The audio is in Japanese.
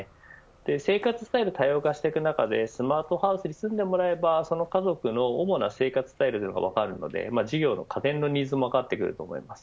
生活スタイルが多様化していく中でスマートハウスに住んでもらえればその家族の主な生活スタイルが分かるので事業の家電のニーズも分かると思います。